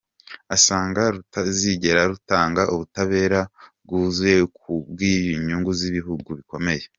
Asanga rutazigera rutanga ubutabera bwuzuye kubw’inyungu z’ibihugu bikomeye.